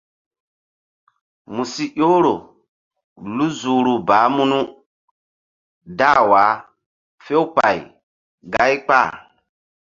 Mu si ƴohro lu zuhru baah munu dah wah few pay gáy kpah.